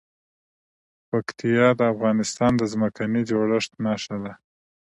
پکتیا د افغانستان د ځمکې د جوړښت نښه ده.